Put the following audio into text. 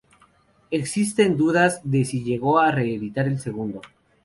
Existen dudas de si llegó a reeditar el segundo.